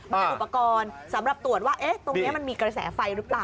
อุปกรณ์สำหรับตรวจว่าตรงนี้มันมีกระแสไฟหรือเปล่า